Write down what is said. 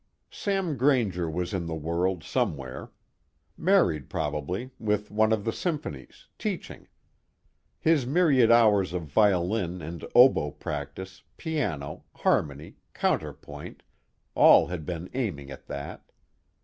Sam Grainger was in the world, somewhere. Married probably, with one of the symphonies, teaching. His myriad hours of violin and oboe practice, piano, harmony, counterpoint, all had been aiming at that.